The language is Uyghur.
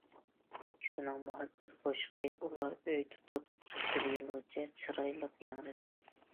ئىككىسىنىڭ مۇھەببەت قوشىقى ئۇلار ئۆي تۇتۇپ بىر يىلغىچە چىرايلىق ياڭرىدى.